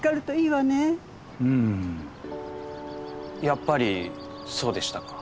やっぱりそうでしたか。